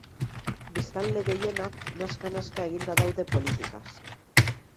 Biztanle gehienak nazka-nazka eginda daude politikaz.